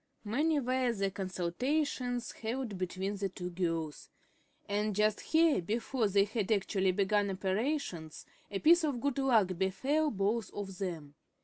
Many were the consultations held between the two girls. And just here, before they had actually begun operations, a piece of good luck befell both of them.